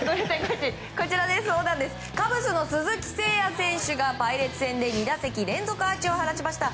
カブスの鈴木誠也選手がパイレーツ戦で２打席連続アーチを放ちました。